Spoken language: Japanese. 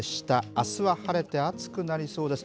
あすは晴れて暑くなりそうです。